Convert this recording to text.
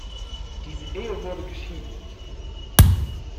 Diese Ehe wurde geschieden.